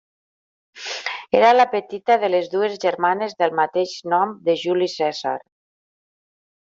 Era la petita de les dues germanes del mateix nom de Juli Cèsar.